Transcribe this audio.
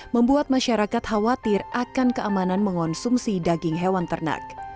membuat masyarakat khawatir akan keamanan mengonsumsi daging hewan ternak